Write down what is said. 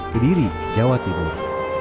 ke diri jawa timur